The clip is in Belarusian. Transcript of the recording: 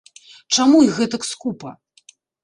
Чаму іх гэтак скупа?